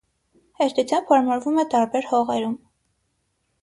Հեշտությամբ հարմարվում է տարբեր հողերում։